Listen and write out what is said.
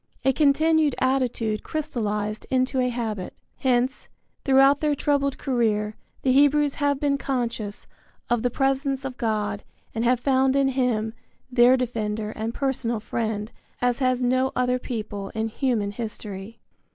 A continued attitude crystallized into a habit. Hence, throughout their troubled career the Hebrews have been conscious of the presence of God and have found in him their defender and personal friend as has no other people in human history.